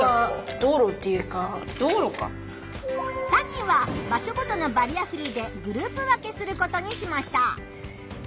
３人は場所ごとのバリアフリーでグループ分けすることにしました。